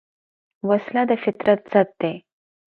وسله د فطرت ضد ده